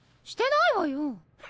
してないわよ！